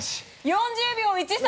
４０秒１３。